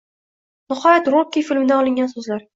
Nihoyat, Rocky filmidan olingan so’zlar